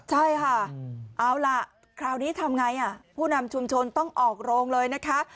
ใช่ค่ะเอาล่ะคราวนี้ทำไงผู้นำชุมชนต้องออกโรงเลยนะคะ